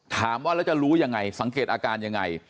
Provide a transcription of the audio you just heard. ถามว่าแล้วจะรู้ยังไงสังเกตอาการยังไง